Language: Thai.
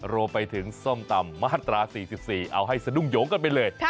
รวมไปถึงส้มตำมาตรา๔๔เอาให้สะดุ้งโยงกันไปเลย